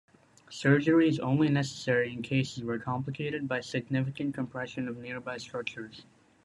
Surgery is only necessary in cases where complicated by significant compression of nearby structures.